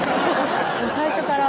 最初から？